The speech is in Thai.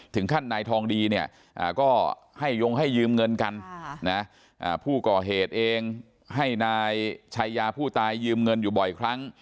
ถึงขั้นนายทองดีเนี่ยก็ให้ยงให้ยืมเงินกันผู้ก่อเหตุเองให้นายชายาผู้ตายยืมเงินอยู่บ่อยครั้ง